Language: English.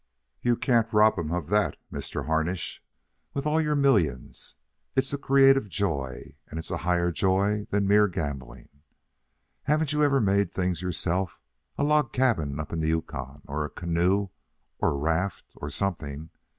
You can't rob him of that, Mr. Harnish, with all your millions. It's the creative joy, and it's a higher joy than mere gambling. Haven't you ever made things yourself a log cabin up in the Yukon, or a canoe, or raft, or something?